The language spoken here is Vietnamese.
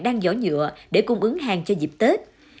đăng giỏ nhựa để cung ứng hàng cho dịp tết